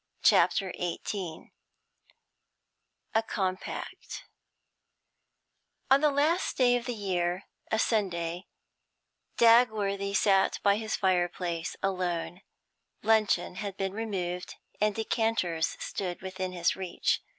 CHAPTER XVIII A COMPACT On the last day of the year, a Sunday, Dagworthy sat by his fireside, alone; luncheon had been removed, and decanters stood within his reach.